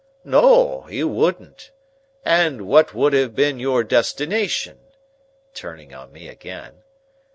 No, he wouldn't. And what would have been your destination?" turning on me again.